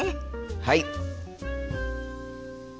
はい！